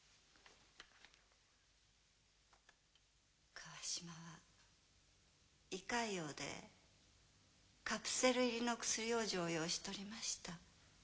川島は胃潰瘍でカプセル入りの薬を常用しとりました。